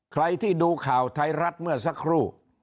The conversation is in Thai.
ใครที่ดูข่าวไทยรัฐเมื่อสักครู่